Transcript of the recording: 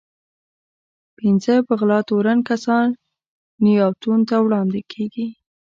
پنځه په غلا تورن کسان نياوتون ته وړاندې کېږي.